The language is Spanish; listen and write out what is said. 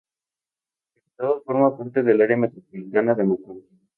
El condado forma parte del área metropolitana de Macon.